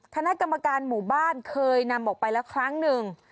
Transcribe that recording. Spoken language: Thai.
คณะกรรมการหมู่บ้านเคยนำออกไปแล้วครั้งหนึ่ง